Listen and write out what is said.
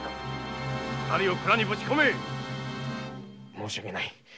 申し訳ない。